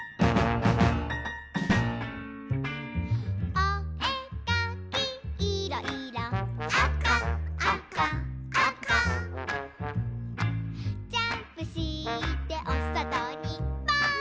「おえかきいろ・いろ」「あかあかあか」「ジャンプしておそとにぽーん！」